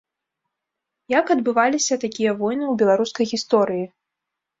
Як адбываліся такія войны ў беларускай гісторыі?